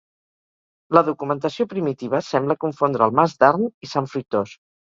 La documentació primitiva sembla confondre el mas d'Arn i Sant Fruitós.